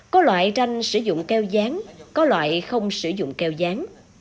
có loại tranh sử dụng keo gián có loại không sử dụng keo gián